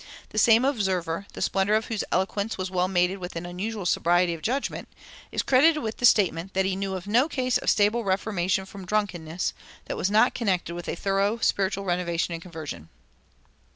The same observer, the splendor of whose eloquence was well mated with an unusual sobriety of judgment, is credited with the statement that he knew of no case of stable reformation from drunkenness that was not connected with a thorough spiritual renovation and conversion.